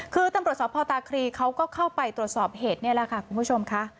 คือตำรวจสพตาครีเขาก็เข้าไปตรวจสอบเหตุนี่แหละค่ะคุณผู้ชมค่ะ